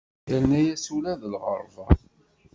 Yerna-as ula d lɣerba.